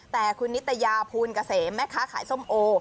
แต่คุณนิตยาภูลเกษมแม่ค้าขายส้มโอ